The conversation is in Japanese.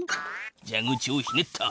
蛇口をひねった。